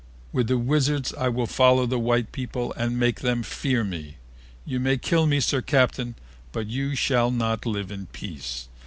With the wizards I will follow the white people and make them fear me. You may kill me, Sir Captain, but you shall not live in peace.